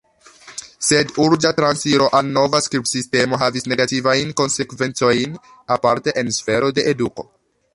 Sed urĝa transiro al nova skribsistemo havis negativajn konsekvencojn, aparte en sfero de eduko.